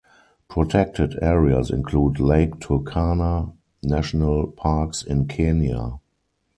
Protected areas include Lake Turkana National Parks in Kenya.